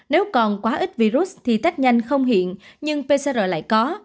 nếu còn quá ít virus thì test nhanh không hiện nhưng pcr lại có